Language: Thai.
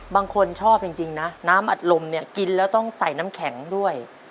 บางคนชอบจริงนะน้ำอัดลมเนี่ยกินแล้วต้องใส่น้ำแข็งด้วย